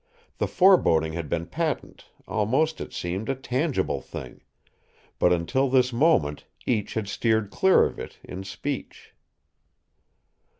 The foreboding had been patent almost, it seemed, a tangible thing but, until this moment, each had steered clear of it, in speech.